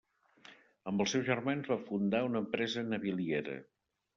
Amb els seus germans va fundar una empresa naviliera.